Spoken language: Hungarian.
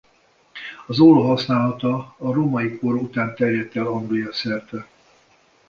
Az olló használata a római kor után terjedt el Anglia-szerte.